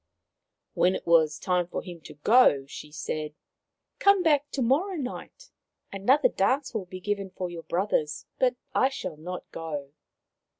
When it was time for him to go she said :" Come back to morrow night. Another dance will be given for your brothers, but I shall not go."